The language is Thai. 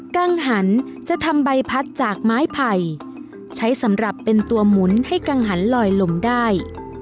กังหันจะทำใบพัดจากไม้ไผ่ใช้สำหรับเป็นตัวหมุนให้กังหันลอยลมได้